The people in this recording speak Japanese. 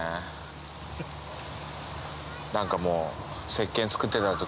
何かもう。